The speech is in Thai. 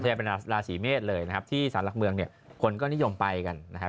จะเป็นราศีเมษเลยนะครับที่สารหลักเมืองเนี่ยคนก็นิยมไปกันนะครับ